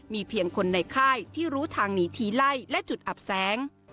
มีเพียงคนในค่ายที่รู้ทางหนีทีไล่และจุดอับแสง